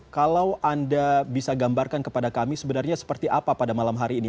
kalau anda bisa gambarkan kepada kami sebenarnya seperti apa pada malam hari ini